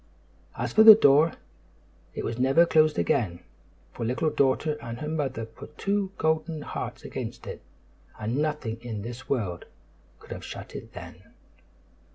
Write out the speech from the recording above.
As for the door, it was never closed again; for Little Daughter and her mother put two golden hearts against it and nothing in this world could have shut it then.